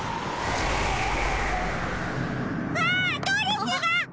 わドレスが！